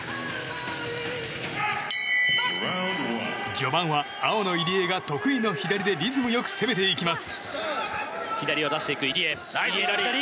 序盤は青の入江が得意の左でリズムよく攻めていきます。